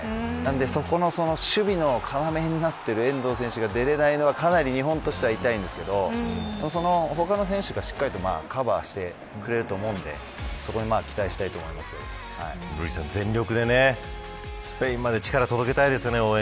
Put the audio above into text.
そこの守備の要になっている遠藤選手が出れないのはかなり、日本としては痛いですが他の選手がしっかりとカバーしてくれると思うので瑠麗さん全力でスペインまで力を届けたいですね。